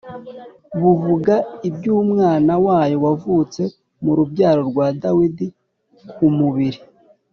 buvuga iby’Umwana wayo wavutse mu rubyaro rwa Dawidi ku mubiri